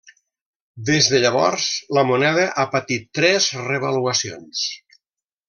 Des de llavors, la moneda ha patit tres revaluacions.